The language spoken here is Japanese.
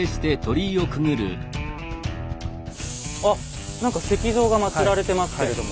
あっ何か石像が祭られてますけれども。